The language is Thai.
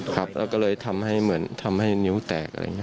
ครับแล้วก็เลยทำให้เหมือนทำให้นิ้วแตกอะไรอย่างนี้